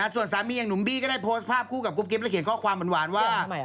ส่วนสามีอย่างหนุ่มบี้ก็ได้โพสต์ภาพคู่กับกุ๊กกิ๊บและเขียนข้อความหวานว่า